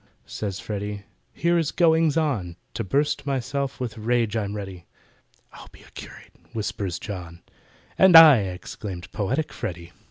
Says FREDDY, "Here is goings on! To bust myself with rage I'm ready." "I'll be a curate!" whispers JOHN— "And I," exclaimed poetic FREDDY.